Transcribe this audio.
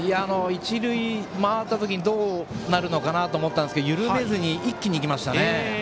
一塁回った時どうなるかと思ったんですけど緩めずに一気にいきました。